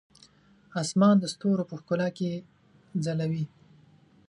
اسمان د ستورو په ښکلا کې ځلوي.